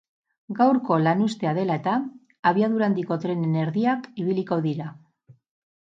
Gaurko lan uztea dela eta, abiadura handiko trenen erdiak ibiliko dira.